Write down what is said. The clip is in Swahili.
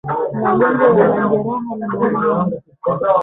Magonjwa ya majeraha mdomoni